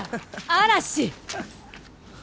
嵐！